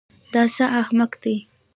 دا څه احمق دی.